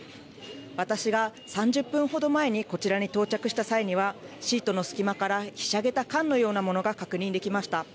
私が３０分ほど前にこちらに到着した際にはシートの隙間からひしゃげた缶のようなものが確認できました。